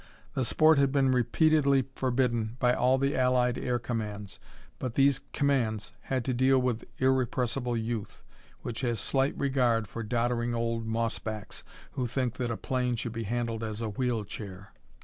The sport had been repeatedly forbidden by all the allied air commands, but these commands had to deal with irrepressible youth, which has slight regard for doddering old mossbacks who think that a plane should be handled as a wheel chair.